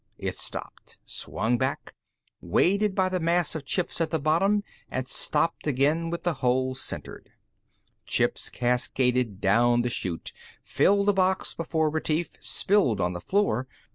It stopped, swung back, weighted by the mass of chips at the bottom, and stopped again with the hole centered. Chips cascaded down the chute, filled the box before Retief, spilled on the floor.